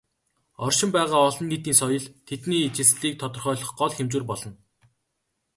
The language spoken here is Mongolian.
Оршин байгаа "олон нийтийн соёл" тэдний ижилслийг тодорхойлох гол хэмжүүр болно.